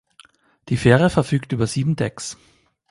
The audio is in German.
Die Fähre verfügt über sieben Decks.